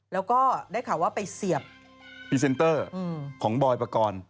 แล้วก็ได้ข่าวว่าไปเสียบของบอยประกอล